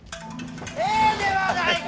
ええではないか！